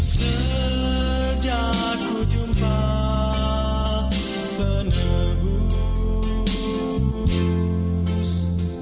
sejak ku jumpa penebus